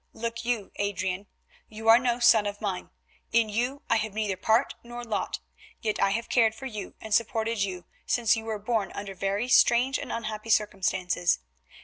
Look you, Adrian, you are no son of mine; in you I have neither part nor lot, yet I have cared for you and supported you since you were born under very strange and unhappy circumstances.